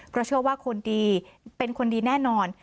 เพราะเชื่อว่าคนดีเป็นคนดีแน่นอน